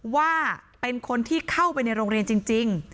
ว่าเป็นคนที่เข้าไปในโรงเรียนจริง